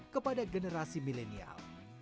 kepada generasi milenial